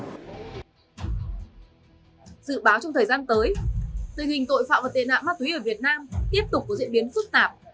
dự báo trong thời gian tới tình hình tội phạm và tên nạn ma túy ở việt nam tiếp tục có diễn biến phức tạp